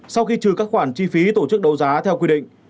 sau khi trừ các khoản chi phí tổ chức đấu giá theo quy định